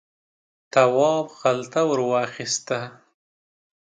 تواب خلته ور واخیسته.